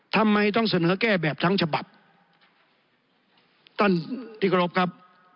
ทำไมต้องเสดินเวลาแก้แบบทั้งฉบัสท่านติกรบครับ